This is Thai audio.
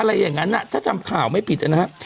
อะไรอย่างนั้นถ้าจำข่าวไม่ผิดนะครับ